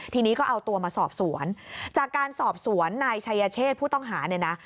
ทีนี้ก็เอาตัวมาสอบสวนจากการสอบสวนนายชัยเชษผู้ต้องหาเนี่ยนะ